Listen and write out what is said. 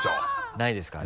ないですかね？